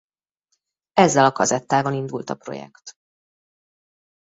Ezzel a kazettával indult a projekt.